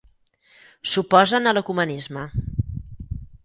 S'oposen a l'ecumenisme.